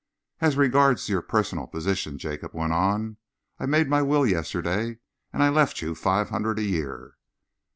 "As regards your personal position," Jacob went on, "I made my will yesterday and I left you five hundred a year."